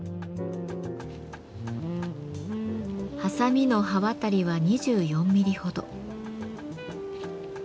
はさみの刃渡りは２４ミリほど。